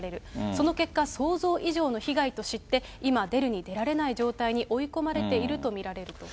その結果、想像以上の被害と知って、今、出るに出られない状態に追い込まれていると見られると。